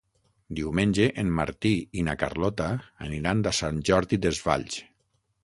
Diumenge en Martí i na Carlota aniran a Sant Jordi Desvalls.